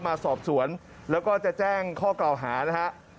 มาสอบสวนแล้วก็จะแจ้งข้อกล่าวหานะฮะ